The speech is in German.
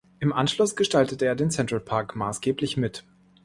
Im Anschluss gestaltete er den Central Park maßgeblich mit.